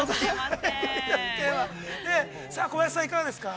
◆さあ小林さん、いかがですか。